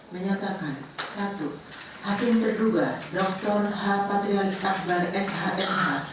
menyatakan satu hakim terduga dr h patrialis akbar s h m h